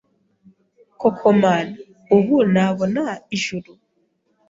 Koko Mana ubu nabona ijuru